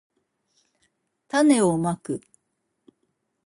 たねをまく